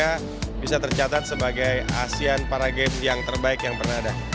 indonesia bisa tercatat sebagai asean para games yang terbaik yang pernah ada